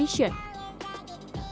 yang terkenal di indonesia